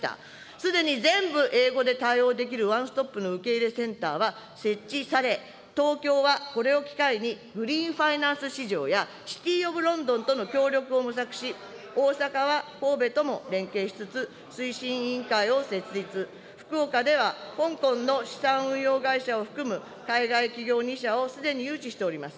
すでに全部英語で対応できるワンストップの受け入れセンターは、設置され、東京はこれを機会にグリーンファイナンス市場やシティオブロンドンとの協力を模索し、大阪は神戸とも連携しつつ、推進委員会を設立、福岡では香港の資産運用会社を含む海外企業２社をすでに誘致しております。